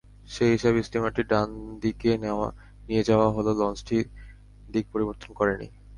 সেই হিসেবে স্টিমারটি ডান দিকে নিয়ে যাওয়া হলেও লঞ্চটি দিক পরিবর্তন করেনি।